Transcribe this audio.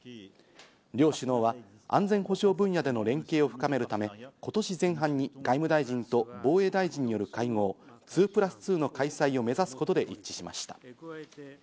両首脳は安全保障分野での連携を深めるため、今年前半に外務大臣と防衛大臣による会合、２プラス２の開催を目指すことで一致しました。